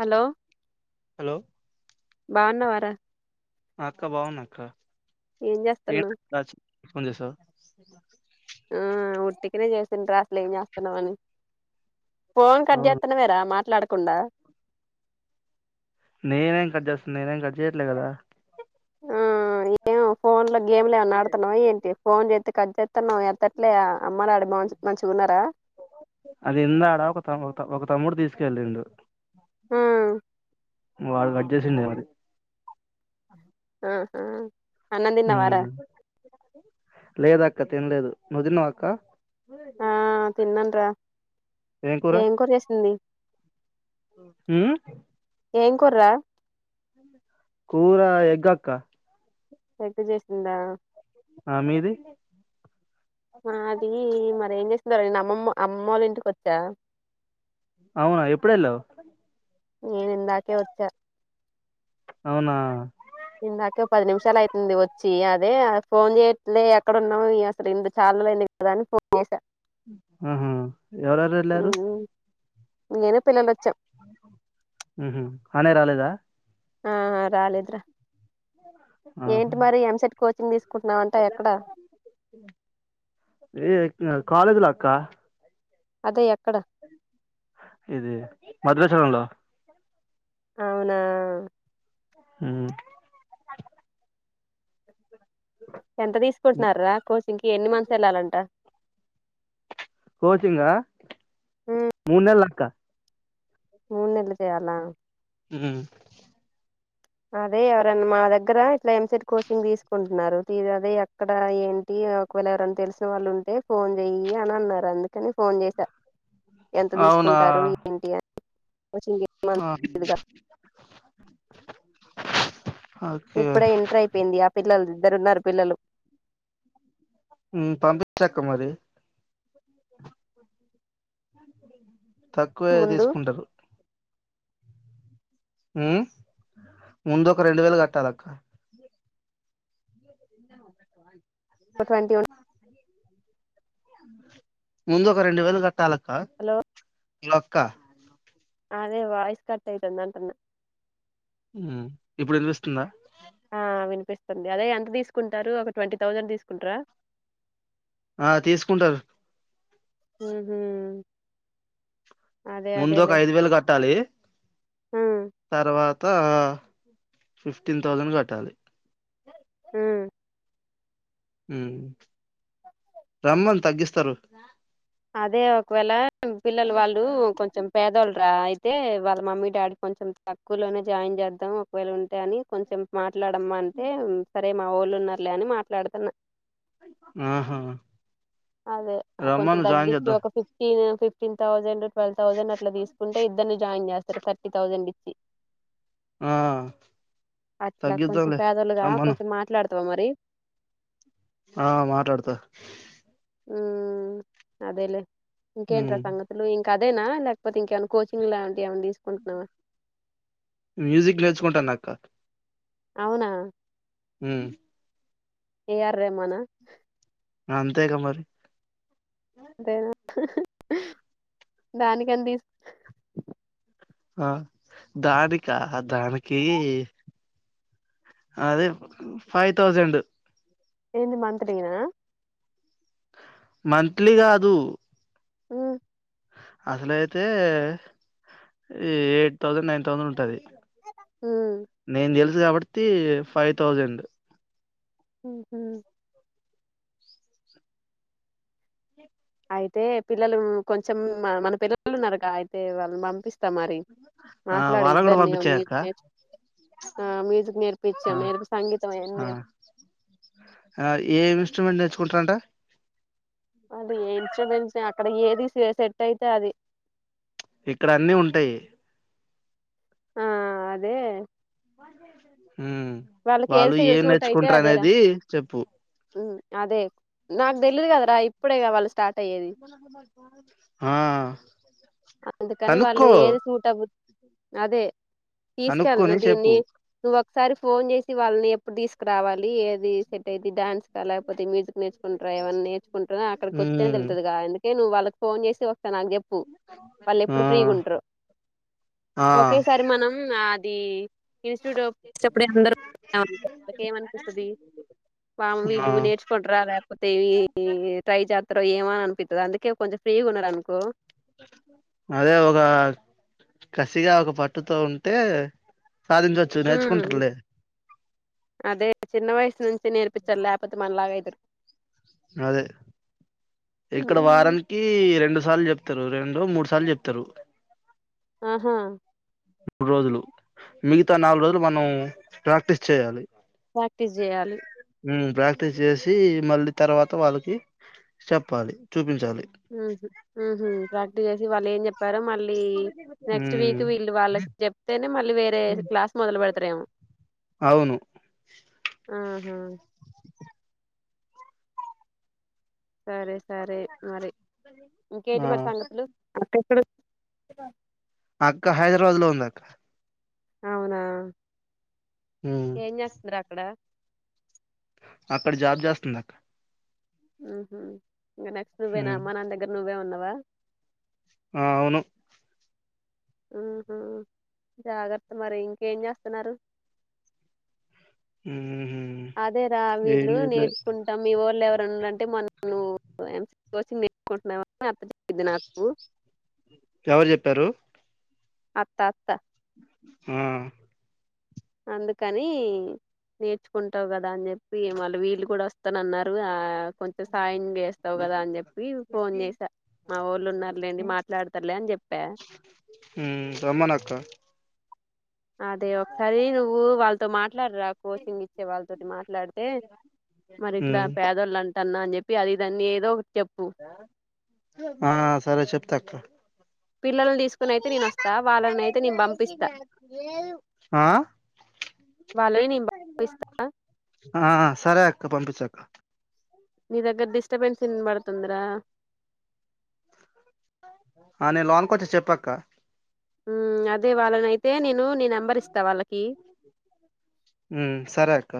Hello hello బాగున్నవర ఆహ్ అక్క బాగున్నా అక్క ఏం చేత్తన్నవ్ ఏంటి ఫోన్ చేసావ్ ఆహ్ ఉట్టిగనే చేసినరా అసలు ఏం చేస్తన్నావని పోంన్ కట్ అవును చేత్తనవేరా మాట్లాడకుండా నేనేం కట్చేస్త నేనేం కట్ చేయట్లే కదా ఊ ఏం ఫోన్ లో గేమ్లు ఏమైనాడుతున్నావా ఏంటి ఫోన్ చేస్తతే కట్ చేస్తున్నావు ఎత్తట్లే ఆహ్ అమ్మాడాడి బా మంచి మంచిగున్నారా అది ఇందాడా ఒకత ఒక తమ్ముడు తీస్కేలిండు ఉమ్ వాడ్ కట్ చేసిండే మరి అహా. ఉమ్ లేదక్క తిన్లేదు నుదిన్నావా అక్క ఆ తిన్నాన్రా ఏం కూర. ఉమ్మ్. ఏంకుర్రా. కూర ఎగ్గాక్క. ఎగ్ చేస్తుందా. ఆహ్ మీది. ఆహ్ అది మరి ఏం చేస్తుందో రా. నేను అమ్మమ్మ అమ్మొళ్ళీంటికి వచ్చా. అవునా ఎప్పుడెళ్ళావ్. నేను ఇందాకే వోచ్చా. అవునా. ఇందాకే పది నిమిషాలు అయితుంది వచ్చి అదే ఆమెకు ఫోన్ చేయట్లే ఎక్కడున్నావు అసలు ఎందుకు చా. [unintelligible] ఫోన్ చేశా. ఆహ్ ఎవరెవరు వెళ్లారు. నేను పిల్లలు వచ్చం. ఉహు అన్నయ్య రాలేదా. ఆహా రాలేద్రా ఆహా ఏంటి మరి ఎంసెట్ కోచింగ్ తీస్. కొంటున్నావంట ఎక్కడ. కాలేజ్లాక్క. అదే ఎక్. ఇది భద్రాచలంలో. అవునా. ఉహ్మ్. ఎంత తీసుకుంటున్నార్రా కోచింగ్ కి ఎన్ని మంత్స్ ఎళ్ళాలంట. కోచింగా మూడు నెల్లక్క. మూన్నెలు చేయాలానా. ఉహ్మ్. అదే ఎవరన్న మా దగ్గర ఇట్లా ఎంసెట్ కోచింగ్ తీసుకుంటున్నారు తి అదే అక్కడ ఏంటి. ఒకవేళ ఎవరన్న తెలిసిన వాళ్ళు ఉంటే ఫోన్ చెయ్యి అని అన్నారు అందుకని ఫోన్ చేసా. ఎంత అవునా తీసుకుంటారు ఏంటి అని. ఆ [inaudible] ఓకే ఇప్పుడే ఇంటర్ అయిపోయింది ఆ పిల్లలు ఇద్దరున్నారు పిల్లలు. ఉమ్ పంపించక్క మరి. తక్కువే ముందు తీసుకుంటారు. ఉమ్ ముందు ఒక రెండు వేలు కట్టాలక్క. ఒక ట్వంటీ ఉన్. ముందు ఒక రెండు వేలు కట్టాలక్క. హలో ఇనాక్క. అదే వాయిస్ కట్ అయితుందంటున్న. ఉమ్ ఇప్పుడు వినిపిస్తుందా. ఆహ్ వినిపిస్తుంది అదే ఎంత తీసుకుంటారు ఒక ట్వంటీ థౌసండ్ తీసుకుంట్రా. ఆహ్ తీసుకుంటారు. ఉహు. అదే ముందు ఒక అదేలే ఐదు వేలు కట్టాలి. ఉమ్ తర్వాత ఫిఫ్టీన్ థౌసండ్ కట్టాలి. ఉమ్. ఉమ్ రమ్మను తగ్గిస్తారు. అదే ఒకవేళ పిల్లలు వాళ్ళు కొంచెం పేదోళ్ళు. ట్రా అయితే వాళ్ళ మమ్మీ డాడీ కొంచెం తక్కువలోనే జాయిన్ చేద్దాం ఒకవేళ ఉంటే అని కొంచెం మా. మాట్లాడమంటే సరే మావోళ్ళున్నారులే అని మాట్లాడుతున్నా. ఆహా అదే కొంచెం రమ్మను జాయిన్ దగ్గించి చేద్దాం ఒక fifty fifteen thousand twelve thousand అట్లా తీసుకుంటే ఇద్దరిని జాయిన్ చేస్తారు థర్టీ థౌజెండ్ ఇచ్చి ఆ అట్లా కొంచెం తగ్గిద్దాంలే పెదోళ్ళూగా రమ్మను కొంచెం మాట్లాడ్ తవ మరి ఆ మాట్లాడుతా ఉమ్ అదేలే ఇంకేంటిరా ఉమ్, సంగతులు ఇం ంకా అదేనా లేకపోతే ఇంకేమైనా కోచింగ్ లాంటివి ఏమైనా తీసుకుంటున్నావా మ్యూజిక్ నేర్చుకుంటన్నా అక్క అవున ఉమ్ ఎ ఆర్ రెమనా ఆ అంతేగా మరి అంతేనా దానికని దీస్ అ దాడికా దానికీ అదే ఫై థౌజెండ్ ఏంది మంత్లీ న నా మంత్లీ కాదు ఊ అసలైతే ఎ ఎయిట్ థౌజెండ్ నైన్ థౌజెండ్ ఉంటది ఉమ్ [inaudible] ఫైవ్ థౌజెండ్ ఉహు అయితే పిల్లలు కొంచెం మ్ మన పిల్లలు ఉన్నారుగా అయితే వాళ్ళని పంపిస్ స్తా మరి ఆ మాట్లాడి వాళ్ళ కూడా ఇద్దరిని పంపించేయి అక్క మ్యూజిక్ నేర్చు ఆ మ్యూజిక్ ఆ నేర్పించాం నేర్పిస్తా సంగీతం ఆయన్ని ఆ నేర్పి ఆ ఏ ఇన్స్ట్రుమెంట్ నేర్చుకుంటారంటా అది ఇంస్ట్రాబెన్స్ అక్కడ ఏది సే ఎ సెట్ అయితే అది ఇక్కడ అన్ని ఉంటాయి ఆ అదే ఉమ్ వాళ్ళకి వాళ్ళు ఏది ఏం సూట్ అయితే నేర్చుకుంటారు అదేరా అనేది చెప్పు ఉమ్, అదే నాక్ దెలీదు కదరా ఇప్పుడే గ వాళ్ల ఆ అందుకని వాళ్ళు కనుక్కో ఏది సూట్ అవ్వు అదే తీసుకెళ్లను కనుక్కొని చెప్పు దిన్నీ నువ్వో ఒకసారి ఫోన్ చేసి వాళ్ళని ఎప్పుడు దీసుకురావాలి ఏది సెట్ అయిద్ది డాన్స్ ఆ లేకపోతే మ్యూజిక్ క్ నేర్చుకుంటారా ఎవన్నీ నేర్చుకుంటారో అక్కడికి కొత్తెనే ఉమ్ తెలుత్తదిగా అందుకే నువ్ వాళ్ళకి ఫోన్ చేసి నాకు చెప్పు ఆ వాళ్ళేప్పుడు ఫ్రీగా ఉంటారో ఆ ఒకేసారి మనం ఆ ది ఇన్స్టిట్యూట్ ఒచ్చినప్పుడే అందరు [inaudible] ఏమనిపిస్తది వామ్ ఆ వీళ్ళు నేర్చుకుంటరా లేకపోతే ఇ ట్రై జేత్త త్తరో ఏమోని అనిపిత్తది అందుకే కొంచం ఫ్రీగా ఉన్నారు అనుకో అదే ఒగ కసిగా ఒక పట్టుతో ఉంటే సాధించవచ్చు ఉమ్ నేర్చుకుంటారులే అదే చిన్న వయస్సు నుంచే నేర్పి చల్ లేపోతే మనలాగా ఐతారు అదే ఇక్కడ వారంకి రెండు సార్లు చెప్తారు రెండో మూడు సార్లు చెప్తారు అహా రోజులు మిగితా నాలుగ్ రోజులు మనం ప్రాక్టీస్ చేయాలి. ప్రాక్టీస్ జేయాలి. ఉమ్ ప్రాక్టీస్ చేసి మళ్ళీ తర్వాత వాళ్ళకి చెప్పాలి చూపిం ఉహ్ ఉహు ప్రాక్టీస్ చేసి వాళ్ళు ఏం చెప్ చెప్తారా మళ్ళీ నెక్స్ట్ వీక్ ఉమ్ వీళ్ళు వాళ్ళకి చెప్తేనె మళ్ళీ వేరే క్లాస్ మొదల్పేడతరేమో అవును ఆహా సరె సరే మరి ఇంకేటి ఆ మరి సంగతులు [inaudible] [inaudible] అక్క హైదరాబాద్లో ఉందక్క. అవునా ఉమ్ ఏం చేస్తుతుందిరా అక్కడ అక్కడ జాబ్ చేస్తుందక్క. మ్ హ్ ఇగ నెక్స్ట్ నువ్వేనా ఉమ్ అమ్మనాన్న దగ్గర నువ్వే ఉన్నావా ఆ అవును. హ్ హ్ జాగ్రత్త మరి ఇంకేం చేస్తున్నారు. ఉహు అదే రా ఏం వీళ్ళు చేయట్లే నేర్చుకుంటాం మీ వోళ్ళు ఎవరనుంటే మొన్న నువ్ పోయెమ్ కోచింగ్ నేర్చకుంటున్నావ అత్త చెప్పింది నాకు ఎవరు అత్త అత్త. హా అందుకనీ నేర్చుకుంటావ్ గదా అన్ చెప్పి మళ్ళ వీళ్ళు కూడా వస్తనన్నరు ఆ కొంచెం సాయం చేస్తావు గదా అన్ చెప్పి ఫోన్ చేసా మావోళ్ళు ఉన్నార్ లేండి మాట్లాడ్తర్లే అని చెప్ మ్ రమ్మనక్క. అదే ఒకసారి నువ్వు వాళ్ళతో మాట్ మాట్లాడ్రా కోచింగ్ ఇచ్చే వాళ్ళతోటి మాట్లాడ్తే మరి ఇట్ల ఉమ్ పేదోళ్ళంటన్న అన్ చెప్పి ప్పి అది ఇది అన్ ఏదో ఒ ఆ సరే చెప్తక్క. పిల్లల్ని తీసుకుని అయితే నేను వస్తా వాళ్ళని అయితే నేను పంపిస్తా ఆ వాళ్ళని నేను పంపిస్తా ఆ సరే అక్క పంపిచ్చక్క. నీ దగ్గర డిస్టబెన్స్ ఇన్ బడ్తుందిరా ఆ నేన్ లోనకొచ్చా చెప్పక్క. ఉమ్ అదే వాళ్ళనైతే నేను నీ నెంబర్ ఇస్త వాళ్ళకి మ్ సరే అక్క.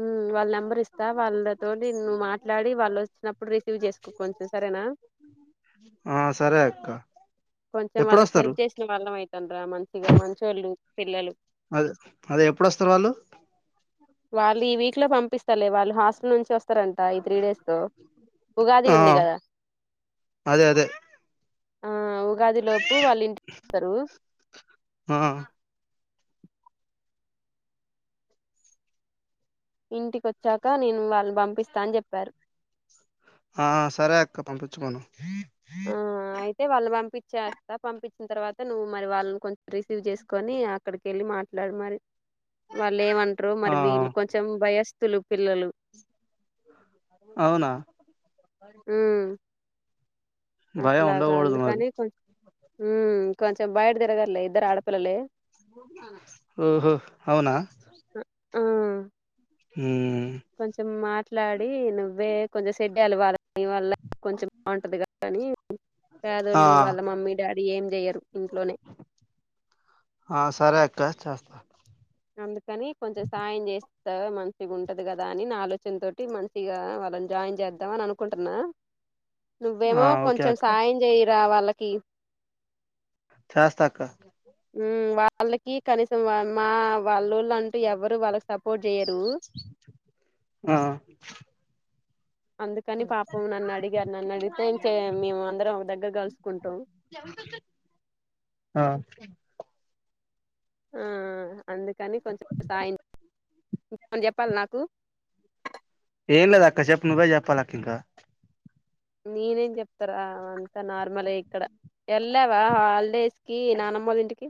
మ్ వాల్ నం బర్ ఇస్తా. వాళ్ళతోటి నువ్ మాట్లాడి వాళ్లొచ్చినప్పుడు రిసీవ్ చేస్కో కొంచం సరేనా ఆ సరే అక్క. కొంచెం వాళ్ళక్ ఎప్పుడొస్తారు హెల్ప్ చేసిన వాళ్ళం అయితంరా మంచిగా మంచోళ్ళు పిల్లలు అదే అదే ఎప్పుడొస్తరు వాళ్ళు వాళ్ళు ఈ వీక్లో పంపిస్తలే వాళ్ళు హాస్టల్ నుంచి వస్ స్తారంట ఈ త్రీ డేస్లో ఉగాది ఆ ఉంది గదా అదే అదే ఆ ఉగాది లోపు వాళ్ ఇంటికొస్తరు. ఆ ఇంటికొచ్చాక నేను వాళ్ళు పంపిస్తా అని చెప్పారు. ఆ సరే అక్క పంపిచ్చమను. ఆ ఆ అయితే వాళ్ళు పంపించాక పంపించిన తర్వాత నువ్వు మరి వాళ్ళన్ కొంచెం రిసీవ్ చేస్కోని అక్కడికెళ్ళి మాట్లాడ్ మరి వాళ్ళేమంటన్ ట్రో ఆ మరి వీళ్ళు కొంచెం భయస్థులు పిల్లలు అవునా ఉమ్ భయం అట్లాగా ఉండగూడదు మరి అందుకని కొంచెం ఉమ్ కొంచెం బయట తిరగర్ లే ఇద్దరు ఆడపిల్లలే. ఓహో అవునా. ఆహ్. మ్ కొంచం మాట్లాడి నువ్వే కొంచం [inaudible] దాని వల్ల కొంచం బాగుంటది కదా అని పేదోళ్ళు వాళ్ళ మమ్మీ డాడీ ఏం చేయరు. ఆహ్ సరే అక్క చేస్తా. అందుకని కొంచెం సాయం చేస్త. గా మంచిగుంటది కదా అని నా ఆలోచన తోటి మంచిగా వాళ్ళని జాయిన్ చేద్దాం అని అనుకుంటున్నా. ఆ నువ్వేమో ఓకే కొంచెం అక్క సాయం చేయిరా వాళ్ళకి. చేస్తా అక్క. హ్మ్మ్ వాళ్ళకి కనీసం వ మా వాళ్ళల్లు అంటూ ఎవరు వాళ్ళకు. సపోర్ట్ చేయరు. ఆ అందుకని పాపం నన్ను అడిగారు నన్ను అడిగితే ఏం చేయం మేము అందరం ఒక దగ్గర కలుసుకుంటాం. ఆహ్. ఉమ్ అందుకని కొంచెం సాయం. అని చెప్పాల్నా నాకు. ఏం లేదాక్క చెప్పు నువ్వే చెప్పాల అక్క ఇంకా. నేనేం చెప్తారా అంతా నార్మలే ఇక్కడ. వెళ్ళావా హాలిడేస్ కి నాన్నమ్మోల ఇంటికి.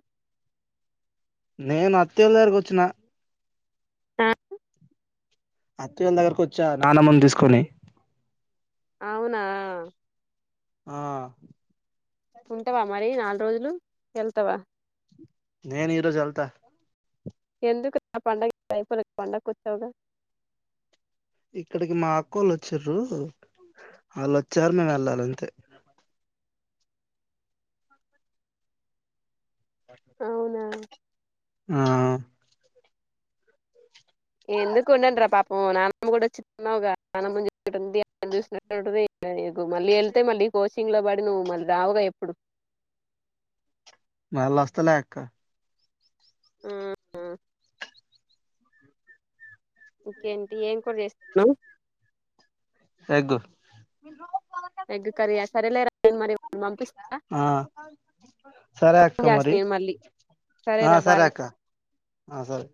నేను అత్తయాల్లో దగ్గరికి వచ్చిన. ఆహ్. అత్తయాల్లో దగ్గరకు వచ్చా నాన్నమ్మను తీసుకొని. అవునా. ఆహ్. ఉంటావా మరి నాలుగు రోజులు వెళ్తావ. నేను ఈరోజు ఎల్తా. ఎందుకు రా పండగ అయిపోలే పండగకు వచ్చావుగా. ఇక్కడికి మా అక్కొళ్ళు వచ్చింర్రు వాళ్ళు వచ్చారు నేను వెళ్ళాలి అంతే. అవునా. ఆహ్. ఎందుకు ఉండానిరా పాపం నాన్నమ్మ కూడా వచ్చింది అన్నావ్గా [unintelligible] అదిగ్ మళ్ళీ వెళ్తే మళ్ళీ కోచింగ్ లో పడి నువ్వు మళ్ళీ రావుగా ఎప్పుడు. మల్ల వస్తాలే అక్క. హ్మ్ హ్మ్మ్. ఇంకా ఏంటి ఏం కూర చేసుకున్నావ్. ఎగ్గు. ఎగ్ కర్రియా సరేలేరా మరి నేన్ పంపిస్తా. ఆ సరే అక్క ఫోన్ చేస్తా మరి నేను మళ్ళీ ఆహ్ సరేరా సరే బాయ్ అక్క. ఆహ్ సరే.